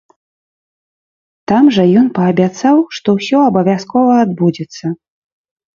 Там жа ён паабяцаў, што ўсё абавязкова адбудзецца.